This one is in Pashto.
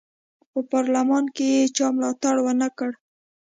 په پارلمان کې یې چا ملاتړ ونه کړ.